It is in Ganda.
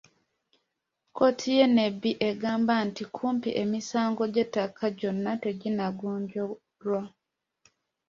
Kkooti y'e Nebbi egamba nti kumpi emisango gy'ettaka gyonna teginnagonjoolwa.